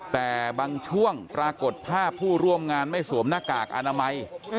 แต่บางช่วงปรากฏภาพผู้ร่วมงานไม่สวมหน้ากากอนามัย